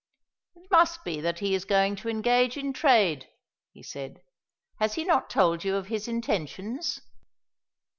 "It must be that he is going to engage in trade," he said; "has he not told you of his intentions?"